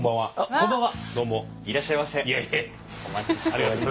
こんばんは。